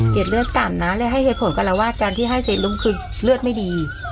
เก็ดเลือดต่ำนะแล้วให้เหตุผลก็เราวาดการที่ให้เซลุมคือเลือดไม่ดี